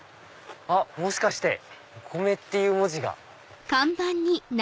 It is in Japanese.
あっもしかして「米」っていう文字が。